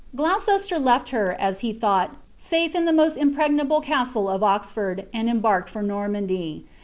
Gloucester left her, as he thought^ safe in the almost impregnable castle of Oxford, and embarked for Normandy.